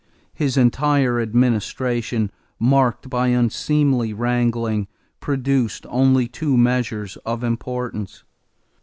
His entire administration, marked by unseemly wrangling, produced only two measures of importance.